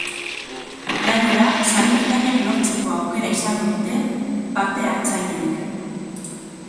Gainera, sari bikainak lortzeko aukera izango dute parte hartzaileek.